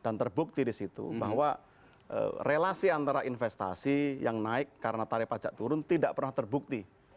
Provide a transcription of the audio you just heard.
dan terbukti disitu bahwa relasi antara investasi yang naik karena tarif pajak turun tidak pernah terbukti